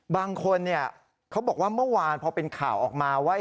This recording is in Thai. บางคนเขาบอกว่าเมื่อวานพอเป็นข่าวออกมาว่า